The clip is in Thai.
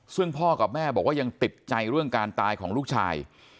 ซึ่งพ่อกับแม่บอกว่ายังติดใจเรื่องการตายของลูกชาย